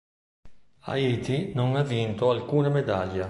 Haiti non ha vinto alcuna medaglia.